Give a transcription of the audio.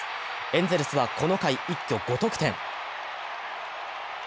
エンゼルスはこの回、一挙５得点。